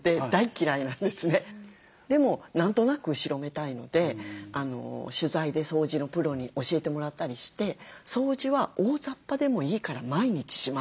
でも何となく後ろめたいので取材で掃除のプロに教えてもらったりして掃除は大ざっぱでもいいから毎日しますということだったんですよ。